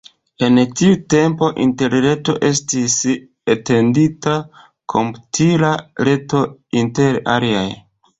En tiu tempo Interreto estis etendita komputila reto inter aliaj.